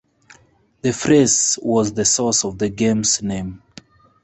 The phrase was the source of the game's name.